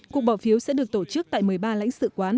cuộc bỏ phiếu sẽ được tổ chức tại một mươi ba lãnh sự quán